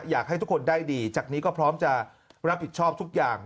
อยากให้ทุกคนได้ดีจากนี้ก็พร้อมจะรับผิดชอบทุกอย่าง